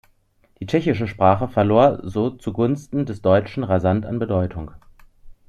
Die tschechische Sprache verlor so zugunsten des Deutschen rasant an Bedeutung.